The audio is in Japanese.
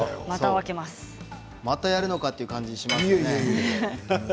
またやるかという感じですね。